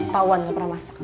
tauan lo pernah masak